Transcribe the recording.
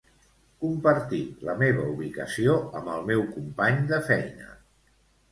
Compartir la meva ubicació amb el meu company de feina.